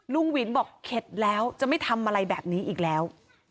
หวินบอกเข็ดแล้วจะไม่ทำอะไรแบบนี้อีกแล้ว